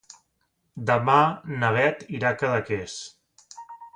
Demà na Bet irà a Cadaqués.